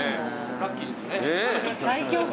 ラッキーですよね。